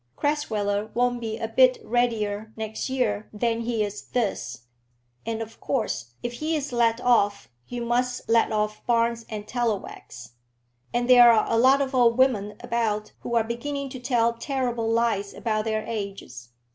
Crasweller won't be a bit readier next year than he is this; and of course if he is let off, you must let off Barnes and Tallowax. And there are a lot of old women about who are beginning to tell terrible lies about their ages.